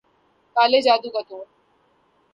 کالے جادو کا توڑ